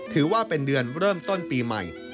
ถือว่าเป็นเดือนเริ่มต้นปีใหม่